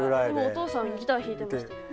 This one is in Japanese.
お父さんギター弾いてましたよね。